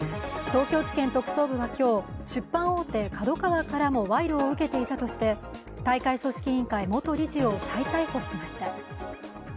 東京地検特捜部は今日、出版大手ＫＡＤＯＫＡＷＡからも賄賂を受けていたとして大会組織委員会元理事を再逮捕しました。